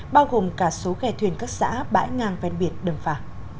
bao gồm cả số kẻ thuyền các xã bãi ngang ven biển đường phả